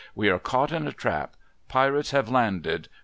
We are caught in a trap. Pirates have landed.